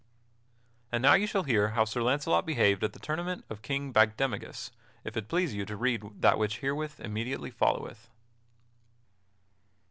And now you shall hear how Sir Launcelot behaved at the tournament of King Bagdemagus, if it please you to read that which herewith immediately followeth.